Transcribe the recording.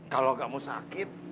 kalau kamu sakit